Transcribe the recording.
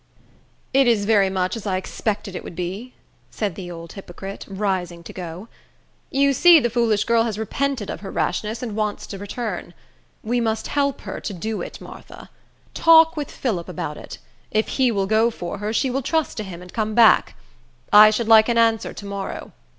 "It is very much as I expected it would be," said the old hypocrite, rising to go. "You see the foolish girl has repented of her rashness, and wants to return. We must help her to do it, Martha. Talk with Phillip about it. If he will go for her, she will trust to him, and come back. I should like an answer to morrow.